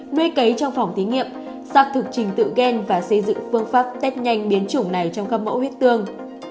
nuôi cấy trong phòng thí nghiệm xác thực trình tự gen và xây dựng phương pháp test nhanh biến chủng này trong các mẫu huyết tương